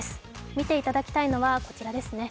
見ていただきたいのはこちらですね。